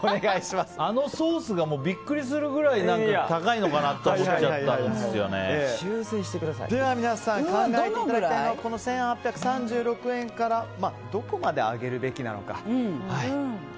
あのソースがびっくりするぐらい高いのかなとでは皆さん考えていただきたいのは１８３６円からどこまで上げるべきなのか。